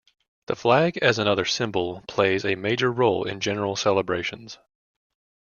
The flag as another symbol plays a major role in general celebrations.